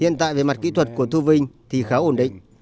hiện tại về mặt kỹ thuật của thu vinh thì khá ổn định